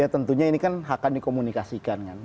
ya tentunya ini kan akan dikomunikasikan kan